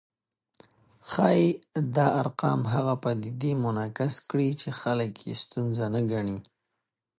ښايي دا ارقام هغه پدیدې منعکس کړي چې خلک یې ستونزه نه ګڼي